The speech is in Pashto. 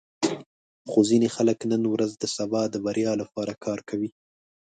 خو ځینې خلک نن ورځ د سبا د بریا لپاره کار کوي.